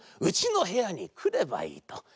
うちのへやにくればいいと。